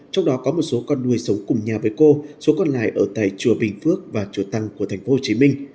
trong đó có một số con nuôi sống cùng nhà với cô số còn lại ở tại chùa bình phước và chùa tăng của tp hcm